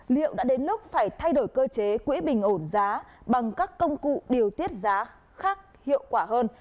liệu đã đến lúc phải thay đổi cơ chế quỹ bình ổn giá bằng các công cụ điều tiết giá khác hiệu quả hơn